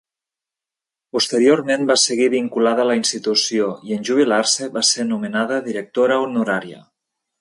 Posteriorment, va seguir vinculada a la institució i, en jubilar-se, va ser nomenada directora honorària.